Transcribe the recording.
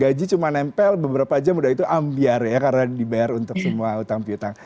gaji cuma nempel beberapa jam udah itu ambiar ya karena dibayar untuk semua utang piutang